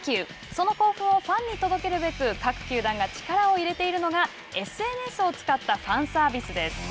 その興奮をファンに届けるべく各球団が力を入れているのがＳＮＳを使ったファンサービスです。